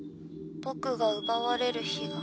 僕が奪われる日が。